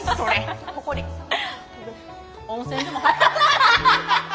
温泉でも。